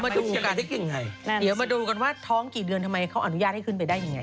เดี๋ยวมาดูกันว่าท้องกี่เดือนทำไมเขาอนุญาตให้ขึ้นไปได้ยังไง